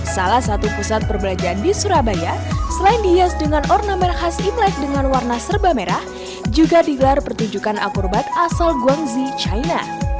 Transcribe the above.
salah satu pusat perbelanjaan di surabaya selain dihias dengan ornamen khas imlek dengan warna serba merah juga digelar pertunjukan al qurbat asal guangzy china